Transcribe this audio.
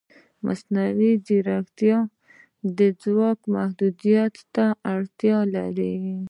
مصنوعي ځیرکتیا د ځواک محدودیت ته اړتیا لري.